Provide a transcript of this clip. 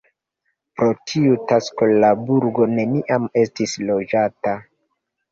Pro tiu tasko la burgo neniam estis loĝata.